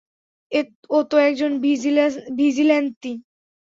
ও তো একজন ভিজিল্যান্তি।